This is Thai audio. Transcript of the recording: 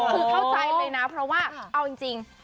คือเข้าใจเลยนะเพราะว่าเอาจริง